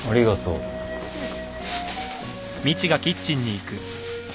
うん。